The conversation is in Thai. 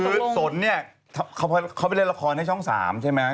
คือสนเนี่ยเขาไปเล่นละครในช่อง๓ใช่ไหม